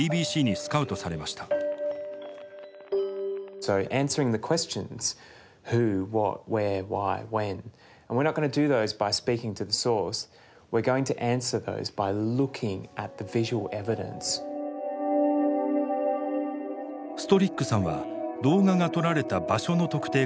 ストリックさんは動画が撮られた場所の特定から始めました。